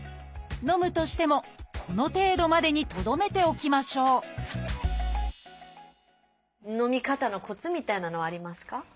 飲むとしてもこの程度までにとどめておきましょう飲み方のコツみたいなのはありますか？